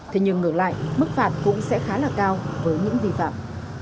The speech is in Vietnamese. thế nhưng ngược lại mức phạt cũng sẽ khá là cao với những vi phạm